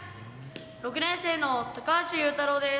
６年生の高橋悠太郎です。